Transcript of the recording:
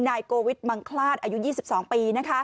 นายโกวิทมังคลาดอายุ๒๒ปี